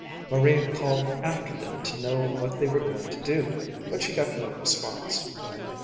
Maria called after them to know what they were going to do, but she got no response.